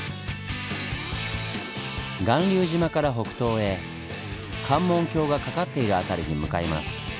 巌流島から北東へ関門橋が架かっている辺りに向かいます。